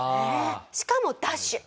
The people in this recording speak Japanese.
しかもダッシュ。